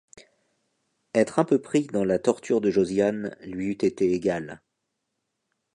Être un peu pris dans la torture de Josiane lui eût été égal.